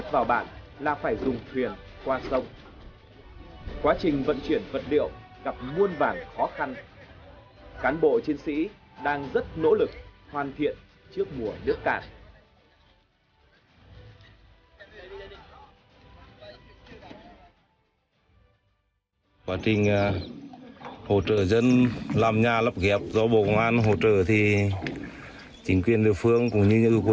và bản kia ỏi nằm biệt lập với khu vực xung quanh